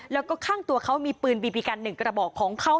แล้วก็ข้างตัวเขามีปืนบีบีกัน๑กระบอกของเขา